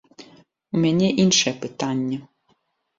У мяне іншае пытанне.